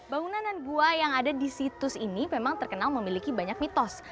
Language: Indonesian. bangunan dan gua yang ada di situs ini memang terkenal memiliki banyak mitos